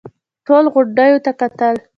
ټولو غونډيو ته کتل.